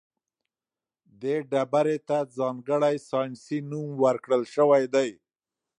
دې ډبرې ته ځانګړی ساینسي نوم ورکړل شوی دی.